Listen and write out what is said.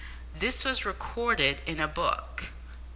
This was recorded in a book.